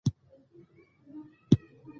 ایا نوبت مو ژر ورسید؟